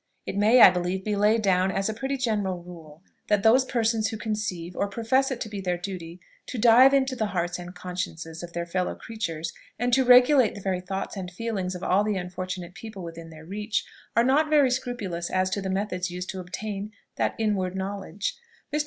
It may, I believe, be laid down as a pretty general rule, that those persons who conceive, or profess it to be their duty, to dive into the hearts and consciences of their fellow creatures, and to regulate the very thoughts and feelings of all the unfortunate people within their reach, are not very scrupulous as to the methods used to obtain that inward knowledge. Mr.